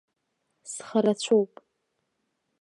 Схарацәоуп.